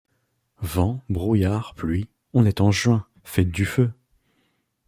Vent, brouillard, pluie. On est en juin ; faites du feu.